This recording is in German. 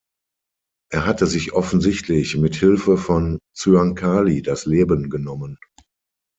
Er hatte sich offensichtlich mit Hilfe von Zyankali das Leben genommen.